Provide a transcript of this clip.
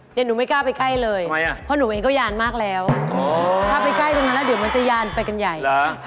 เดี๋ยวหนูไม่กล้าไปใกล้เลยเพราะหนูเองก็ยานมากแล้วถ้าไปใกล้ตรงนั้นแล้วเดี๋ยวมันจะยานไปกันใหญ่